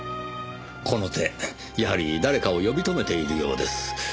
この手やはり誰かを呼び止めているようです。